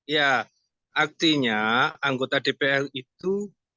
ya artinya anggota dpr itu